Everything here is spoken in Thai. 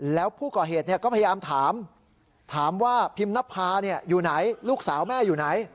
แล้วผู้ก่อเหตุก็พยายามถามถามว่าพิมนภาอยู่ไหนลูกสาวแม่อยู่ไหน